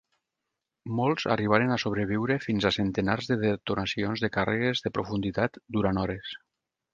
Molts arribaren a sobreviure fins a centenars de detonacions de càrregues de profunditat durant hores.